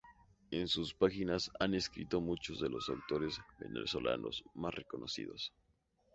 En sus páginas han escrito muchos de los autores venezolanos más reconocidos.